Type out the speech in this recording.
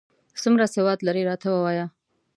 څومره سواد لرې، راته ووایه ؟